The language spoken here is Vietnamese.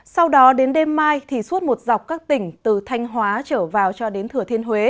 sau đó đến đêm mai thì suốt một dọc các tỉnh từ thanh hóa trở vào cho đến thừa thiên huế